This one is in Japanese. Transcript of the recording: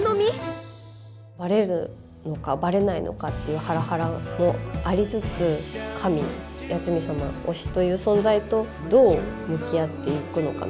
バレるのかバレないのかっていうハラハラもありつつ神八海サマ推しという存在とどう向き合っていくのかみたいな。